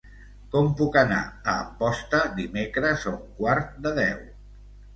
Com puc anar a Amposta dimecres a un quart de deu?